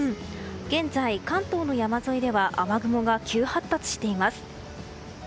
現在、関東の山沿いでは雨雲が急発達しています。